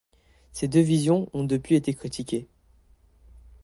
Ces deux visions ont depuis été critiquées.